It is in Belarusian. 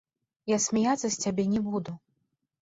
Я смяяцца з цябе не буду.